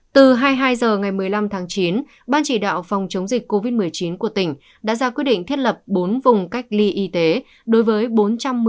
từ hai mươi hai h ngày một mươi năm tháng chín ban chỉ đạo phòng chống dịch covid một mươi chín của tỉnh đã ra quyết định thiết lập bốn vùng cách ly y tế đối với bốn trăm một mươi tám hộ với một ba trăm linh năm khẩu